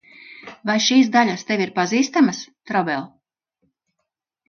Vai šīs daļas tev ir pazīstamas, Trobel?